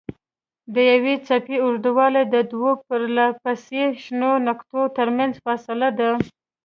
د یوې څپې اوږدوالی د دوو پرلهپسې شنو نقطو ترمنځ فاصله ده.